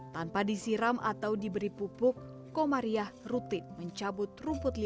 tanpa disiram atau diberi pupuk komariah rutin mencabut rumput liga